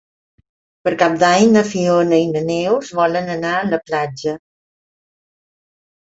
Per Cap d'Any na Fiona i na Neus volen anar a la platja.